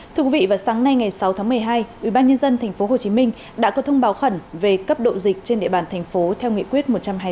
thưa quý vị vào sáng nay ngày sáu tháng một mươi hai ubnd tp hcm đã có thông báo khẩn về cấp độ dịch trên địa bàn thành phố theo nghị quyết một trăm hai mươi bốn